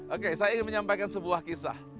oke saya ingin menyampaikan sebuah kisah